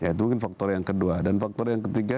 ya itu mungkin faktor yang kedua dan faktor yang ketiga